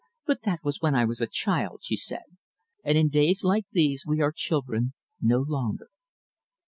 "But that was when I was a child," she said, "and in days like these we are children no longer."